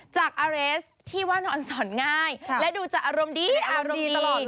จากอาเรสที่ว่านอนสอนง่ายและดูจะอารมณ์ดีอารมณ์ดีตลอด